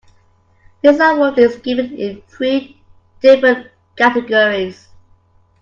This award is given in three different categories.